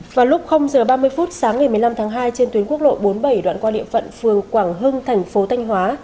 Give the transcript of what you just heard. vào lúc h ba mươi phút sáng ngày một mươi năm tháng hai trên tuyến quốc lộ bốn mươi bảy đoạn qua địa phận phường quảng hưng thành phố thanh hóa